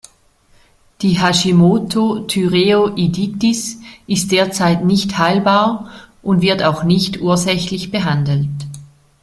Die Hashimoto-Thyreoiditis ist derzeit nicht heilbar und wird auch nicht ursächlich behandelt.